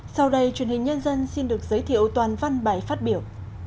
sau đây truyền hình nhân dân xin được giới thiệu toàn văn bài phát biểu